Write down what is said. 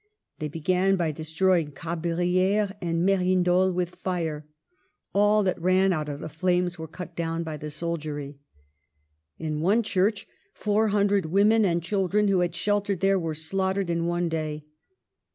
They began by destroy ing Cabrieres and Merindol with fire ; all that ran out of the flames were cut down by the soldiery. In one church four hundred women and chil dren who had sheltered there were slaughtered in one day.